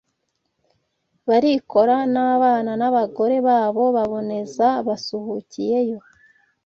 Barikora n’abana n’abagore babo baboneza basuhukiyeyo